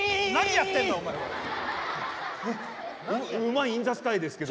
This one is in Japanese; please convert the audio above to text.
馬インザスカイですけど。